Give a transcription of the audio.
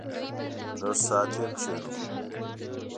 لږ ساعت یې کېنولو.